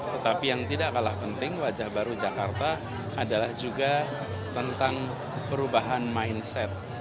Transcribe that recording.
tetapi yang tidak kalah penting wajah baru jakarta adalah juga tentang perubahan mindset